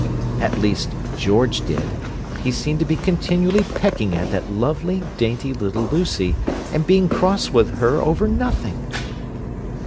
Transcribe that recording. At least George did: he seemed to be continually pecking at that lovely, dainty, little Lucy, and being cross with her over nothing."